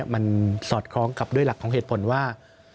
มันสอดคล้องกับด้วยหลักของเหตุผลว่า